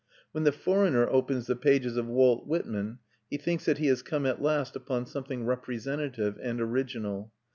When the foreigner opens the pages of Walt Whitman, he thinks that he has come at last upon something representative and original.